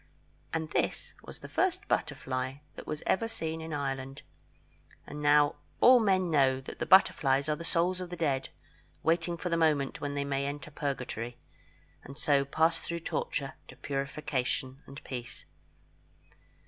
And this was the first butterfly that was ever seen in Ireland; and now all men know that the butterflies are the souls of the dead, waiting for the moment when they may enter Purgatory, and so pass through torture to purification and peace.